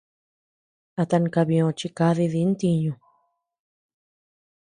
A tan kabiö chi kadi dì ntiñu.